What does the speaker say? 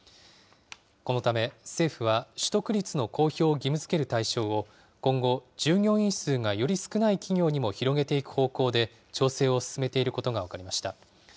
このため、政府は取得率の公表を義務づける対象を、今後、従業員数がより少ない企業にも広げていく方向で、調整を進めていることが分かりました。